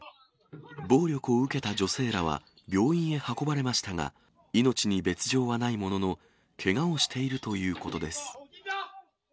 暴力を受けた女性らは病院へ運ばれましたが、命に別状はないものの、けがをしているということです。